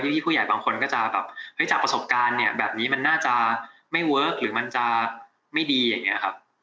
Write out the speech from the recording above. พี่ผู้ใหญ่บางคนก็จะแบบเฮ้ยจากประสบการณ์เนี่ยแบบนี้มันน่าจะไม่เวิร์คหรือมันจะไม่ดีอย่างนี้ครับ